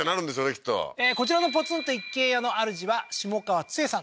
きっとこちらのポツンと一軒家のあるじは下川ツヱさん